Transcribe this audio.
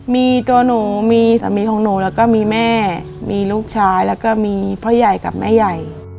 มีตัวหนูมีสามีของหนูแล้วก็มีแม่มีลูกชายแล้วก็มีพ่อใหญ่กับแม่ใหญ่